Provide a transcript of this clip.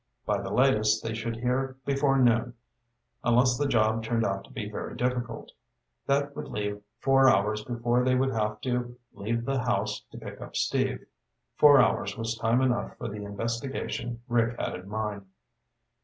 By the latest, they should hear before noon unless the job turned out to be very difficult. That would leave four hours before they would have to leave the house to pick up Steve. Four hours was time enough for the investigation Rick had in mind.